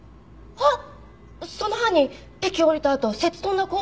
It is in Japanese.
あっ！？